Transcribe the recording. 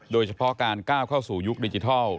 โดยเฉพาะการก้าวเข้าสู่ยุคดิจิทัล